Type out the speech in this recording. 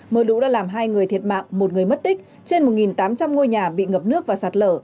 mưa lũ đã làm hai người thiệt mạng một người mất tích trên một tám trăm linh ngôi nhà bị ngập nước và sạt lở